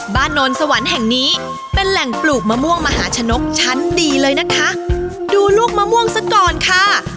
โนนสวรรค์แห่งนี้เป็นแหล่งปลูกมะม่วงมหาชนกชั้นดีเลยนะคะดูลูกมะม่วงซะก่อนค่ะ